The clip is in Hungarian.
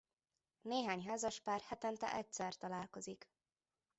Néhány házaspár hetente egyszer találkozik.